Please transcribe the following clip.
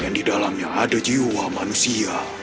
dan di dalamnya ada jiwa manusia